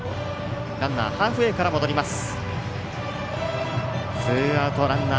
ランナーハーフウエーから戻ります。